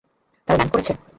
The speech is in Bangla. তারা ল্যান্ড করেছে?